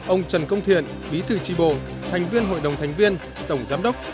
ông trần công thiện bí thư tri bộ thành viên hội đồng thành viên tổng giám đốc